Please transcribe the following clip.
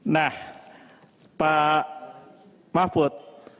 nah pak mahbud